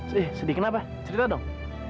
sih sedih kenapa cerita dong